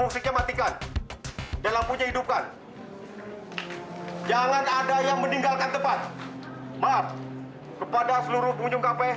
sampai jumpa di video selanjutnya